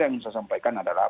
yang saya sampaikan adalah